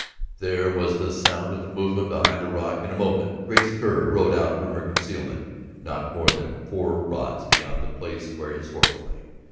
There was the sound of movement behind the rock; in a moment Grace Kerr rode out from her concealment, not more than four rods beyond the place where his horse lay.